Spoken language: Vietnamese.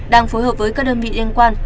đang phối hợp với các đơn vị liên quan